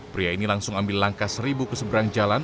pria ini langsung ambil langkah seribu keseberang jalan